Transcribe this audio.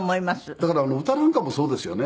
だから歌なんかもそうですよね。